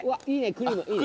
クリームいいね